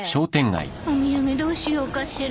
お土産どうしようかしら。